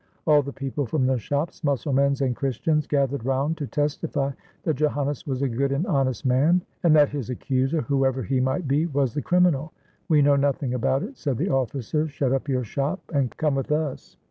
All the people from the shops, Mussulmans and Chris tians, gathered round to testify that Joannes was a good and honest man, and that his accuser, whoever he might be, was the criminal. "We know nothing about it," said the officers, "shut up your shop, and come with us."